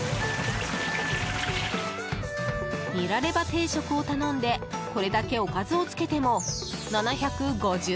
ニラレバ定食を頼んで、これだけおかずをつけても７５０円。